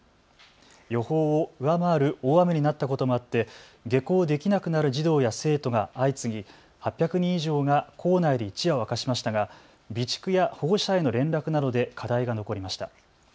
予報を上回る大雨になったこともあって下校できなくなる児童や生徒が相次ぎ、８００人以上が校内で一夜を明かしましたが備蓄や保護者への連絡などで課題が残りました。